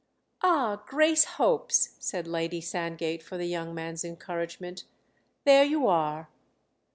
"Ah, Grace hopes," said Lady Sandgate for the young man's encouragement. "There you are!"